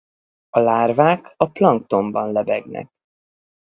A lárvák a planktonban lebegnek.